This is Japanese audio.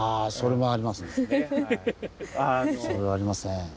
あそれもありますね。